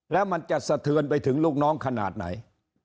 แล้วมันจะสะเทือนไปถึงลูกน้องขนาดไหน